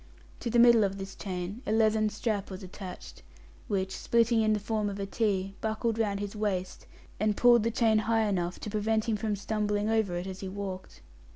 To the middle of this chain a leathern strap was attached, which, splitting in the form of a T, buckled round his waist, and pulled the chain high enough to prevent him from stumbling over it as he walked.